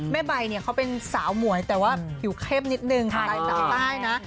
แม่ใบเนี่ยเขาเป็นสาวหมวยแต่ว่าอยู่เข้มนิดนึงค่ะใต้นะ